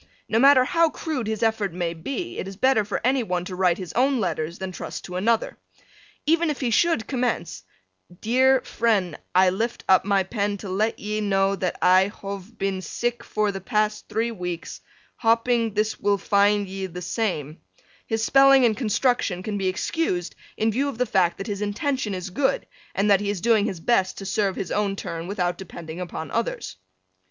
No matter how crude his effort may be it is better for any one to write his own letters than trust to another. Even if he should commence, "deer fren, i lift up my pen to let ye no that i hove been sik for the past 3 weeks, hopping this will findye the same," his spelling and construction can be excused in view of the fact that his intention is good, and that he is doing his best to serve his own turn without depending upon others.